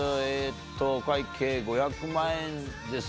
お会計５００万円です。